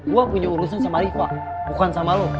gue punya urusan sama riva bukan sama lo